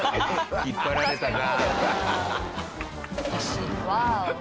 引っ張られたな。